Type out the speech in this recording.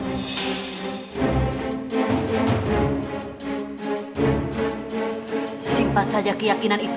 meskipun saya percaya suami saya tidak melakukan itu